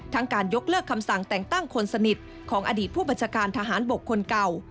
การยกเลิกคำสั่งแต่งตั้งคนสนิทของอดีตผู้บัญชาการทหารบกคนเก่า